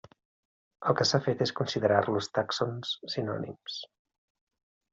El que s'ha fet és considerar-los tàxons sinònims.